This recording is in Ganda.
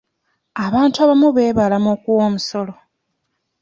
Abantu abamu beebalama okuwa omusolo.